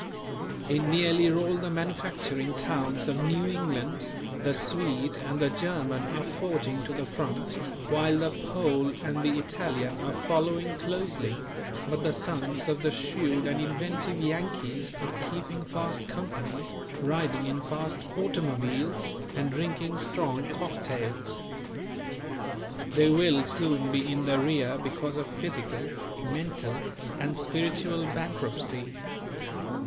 In nearly all the manufacturing towns of New England, the Swede and the German are forging to the front, while the Pole and the Italian are following closely; but the sons of the shrewd and inventive Yankees are keeping fast company, riding in fast automobiles, and drinking strong cocktails. They will soon be in the rear because of physical, mental and spiritual bankruptcy.